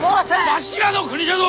わしらの国じゃぞ！